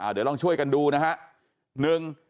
เดี๋ยวลองช่วยกันดูนะฮะ